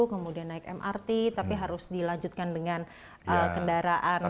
kemudian naik mrt tapi harus dilanjutkan dengan kendaraan